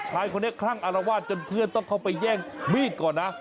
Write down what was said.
ชายคนนี้คลั่งอารวาสจนเพื่อนต้องเข้าไปแย่งมีดก่อนนะ